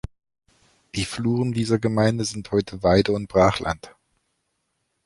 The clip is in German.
Die Fluren dieser Gemeinde sind heute Weide- und Brachland.